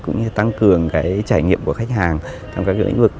cũng như tăng cường cái trải nghiệm của khách hàng trong các cái lĩnh vực